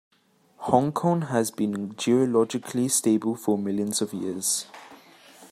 Hong Kong has been geologically stable for millions of years.